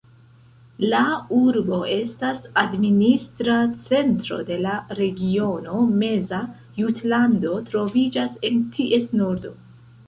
La urbo estas administra centro de la Regiono Meza Jutlando, troviĝas en ties nordo.